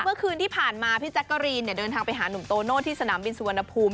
เมื่อคืนที่ผ่านมาพี่แจ๊กกะรีนเดินทางไปหาหนุ่มโตโน่ที่สนามบินสุวรรณภูมิ